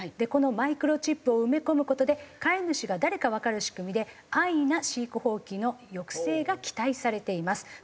このマイクロチップを埋め込む事で飼い主が誰かわかる仕組みで安易な飼育放棄の抑制が期待されています。